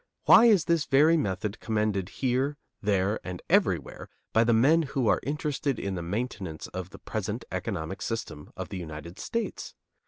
Why is this very method commended here, there, and everywhere by the men who are interested in the maintenance of the present economic system of the United States?